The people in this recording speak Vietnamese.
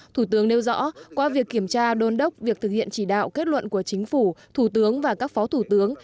thủ tướng nêu rõ qua việc kiểm tra đôn đốc việc thực hiện chỉ đạo kết luận của chính phủ thủ tướng và các phó thủ tướng